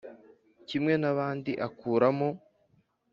Kimwe n abandi akuramo